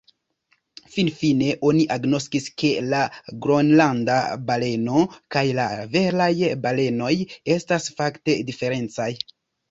Finfine, oni agnoskis, ke la Gronlanda baleno kaj la veraj balenoj estas fakte diferencaj.